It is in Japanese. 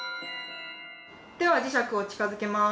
では磁石を近づけます。